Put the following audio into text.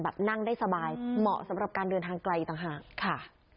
นั่งได้สบายเหมาะสำหรับการเดินทางไกลต่างหากค่ะ